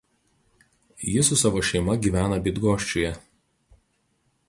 Ji su savo šeima gyvena Bydgoščiuje.